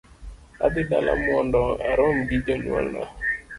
Adhi dala mondo arom gi jonyuolna